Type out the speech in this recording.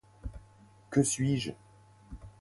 Que suis-je?